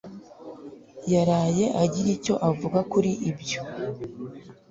yaraye agira icyo avuga kuri ibyo